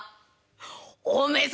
「おめえ様